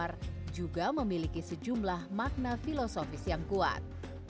arsitektur masjid al anwar juga memiliki sejumlah makna filosofis yang kuat